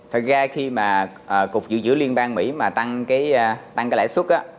thật ra khi mà cục dự trữ liên bang mỹ mà tăng cái lãi suất á